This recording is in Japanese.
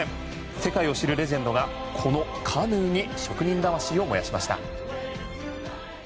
世界を知るレジェンドがこのカヌーに職人魂を燃やしました。